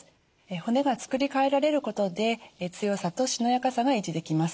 骨がつくり替えられることで強さとしなやかさが維持できます。